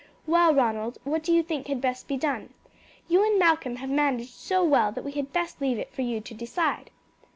Well, Ronald, what do you think had best be done? You and Malcolm have managed so well that we had best leave it for you to decide."